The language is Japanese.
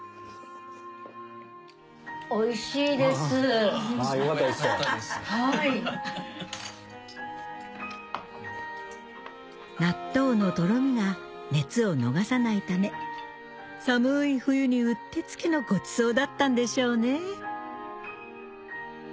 おいしいです。・よかったです・納豆のとろみが熱を逃さないため寒い冬にうってつけのごちそうだったんでしょうね